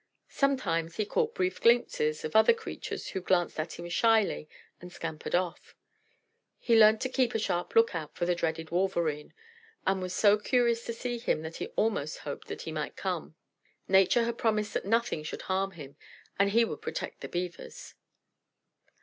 Sometimes he caught brief glimpses of other creatures, who glanced at him shyly and scampered off. He learnt to keep a sharp look out for the dreaded Wolverene, and was so curious to see him that he almost hoped that he might come. Nature had promised that nothing should harm him, and he would protect the Beavers.